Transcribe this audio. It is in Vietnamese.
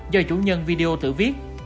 do chủ nhân video tự viết